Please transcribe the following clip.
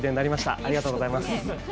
ありがとうございます。